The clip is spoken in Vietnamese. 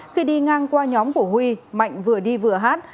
khi đi ngang qua nhóm của huy mạnh vừa đi vừa hát